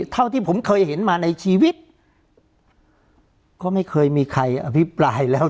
เท่าที่ผมเคยเห็นมาในชีวิตก็ไม่เคยมีใครอภิปรายแล้ว